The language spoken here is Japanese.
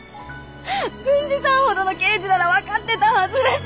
郡司さんほどの刑事ならわかってたはずです！